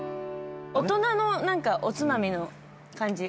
大人のおつまみの感じ。